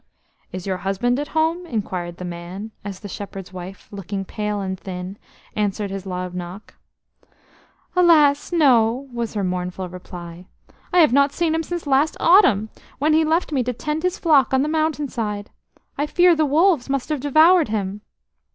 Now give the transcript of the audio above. "Is your husband at home?" inquired the man, as the shepherd's wife, looking pale and thin, answered his loud knock. "Alas! no," was her mournful reply. "I have not seen him since last autumn, when he left me to tend his flock on the mountain side. I fear the wolves must have devoured him."